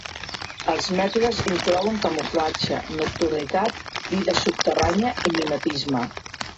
Els mètodes inclouen camuflatge, nocturnitat, vida subterrània i mimetisme.